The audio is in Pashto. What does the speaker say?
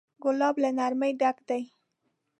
ګلاب له نرمۍ ډک دی.